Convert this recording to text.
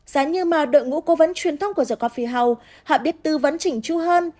giả như mà đội ngũ cố vấn truyền thông của the coffee house họ biết tư vấn chỉnh chú hơn